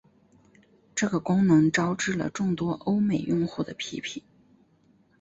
这个功能招致了众多欧美用户的批评。